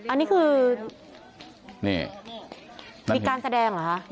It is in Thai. อันนี้คือนี่มีการแสดงเหรอคะ